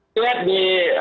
kita lihat di